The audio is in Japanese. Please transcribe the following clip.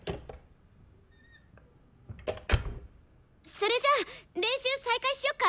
それじゃあ練習再開しよっか！